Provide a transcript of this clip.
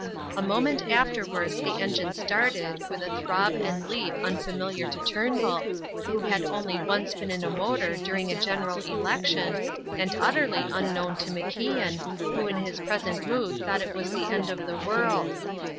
A moment afterwards the engine started, with a throb and leap unfamiliar to Turnbull, who had only once been in a motor during a general election, and utterly unknown to MacIan, who in his present mood thought it was the end of the world.